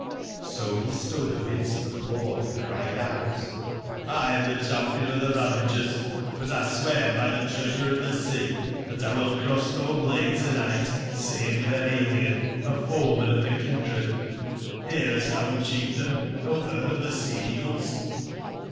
(O be stood amidst tbe floor and cried out: Xam tbe cbampion of tbeRavagers. ButI I swear by tbe Oeasure of tbe Sea tbat I will cross no blade to/nigbt save witb an alien, a foeman of tbe kindred, nearest tbou, O cbief tain, O 6m e of tbe Sea/eagles?"